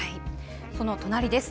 その隣です。